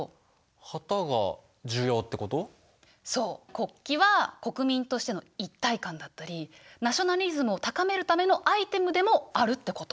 国旗は国民としての一体感だったりナショナリズムを高めるためのアイテムでもあるってこと。